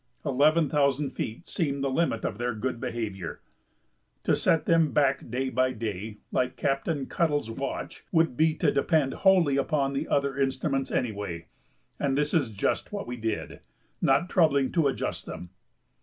Eleven thousand feet seemed the limit of their good behavior. To set them back day by day, like Captain Cuttle's watch, would be to depend wholly upon the other instruments anyway, and this is just what we did, not troubling to adjust them.